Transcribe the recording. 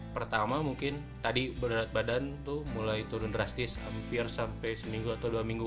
pertama mungkin tadi berat badan tuh mulai turun drastis hampir sampai seminggu atau dua minggu